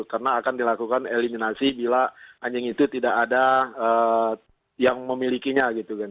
karena akan dilakukan eliminasi bila anjing itu tidak ada yang memilikinya